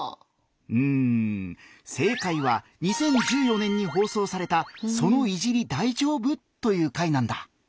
うん正解は２０１４年に放送された「その“いじり”、大丈夫？」という回なんだ。